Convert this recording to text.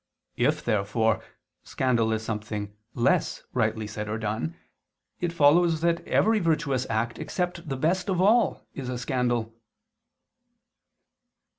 If, therefore, scandal is something "less" rightly said or done, it follows that every virtuous act except the best of all, is a scandal.